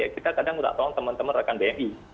kita kadang minta tolong teman teman rekan bmi